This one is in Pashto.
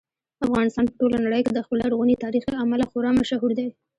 افغانستان په ټوله نړۍ کې د خپل لرغوني تاریخ له امله خورا مشهور دی.